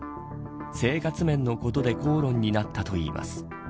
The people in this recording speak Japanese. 生活面のことで口論になったといいます。